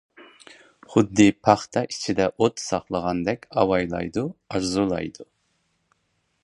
خۇددى پاختا ئىچىدە ئوت ساقلىغاندەك ئاۋايلايدۇ، ئارزۇلايدۇ.